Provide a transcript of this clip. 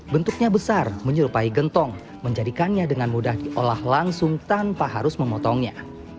bentuknya besar menyerupai gentong menjadikannya dengan mudah diolah langsung tanpa harus memotongnya